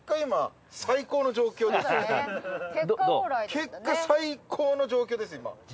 結果最高の状況です今。